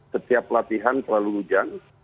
setiap latihan selalu hujan